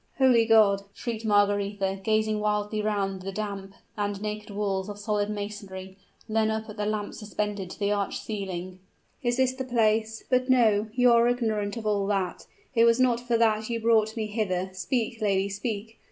"Holy God!" shrieked Margaretha, gazing wildly round the damp and naked walls of solid masonry, and then up at the lamp suspended to the arched ceiling, "is this the place? But no! you are ignorant of all that; it was not for that you brought me hither! Speak, lady, speak!